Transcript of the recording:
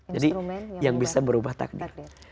jadi yang bisa merubah takdir